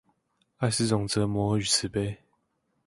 愛是種折磨與慈悲